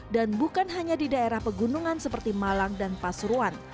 dan bukan hanya di daerah pegunungan seperti malang dan pasuruan